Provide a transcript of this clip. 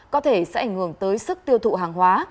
có thể sẽ ảnh hưởng tới sức tiêu thụ hàng hóa